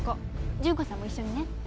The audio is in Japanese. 準子さんも一緒にね。